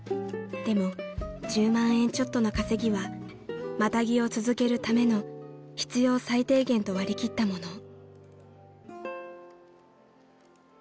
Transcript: ［でも１０万円ちょっとの稼ぎはマタギを続けるための必要最低限と割り切ったもの］